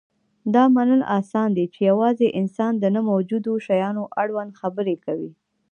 دا منل اسان دي، چې یواځې انسان د نه موجودو شیانو اړوند خبرې کوي.